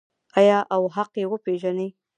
آیا او حق یې وپیژني؟